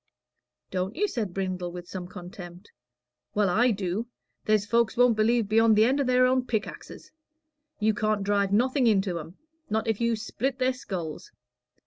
"Don't you?" said Brindle, with some contempt. "Well, I do. There's folks won't believe beyond the end o' their own pickaxes. You can't drive nothing into 'em, not if you split their skulls.